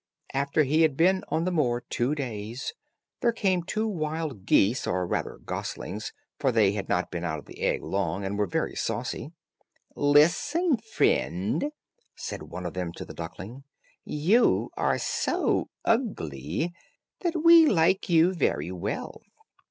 After he had been on the moor two days, there came two wild geese, or rather goslings, for they had not been out of the egg long, and were very saucy. "Listen, friend," said one of them to the duckling, "you are so ugly, that we like you very well.